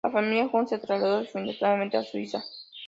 La familia Jung se trasladó definitivamente a Suiza.